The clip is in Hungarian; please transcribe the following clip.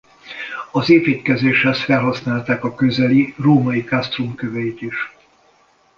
Az építkezéshez felhasználták a közeli római castrum köveit is.